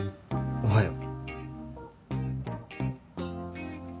おはよう。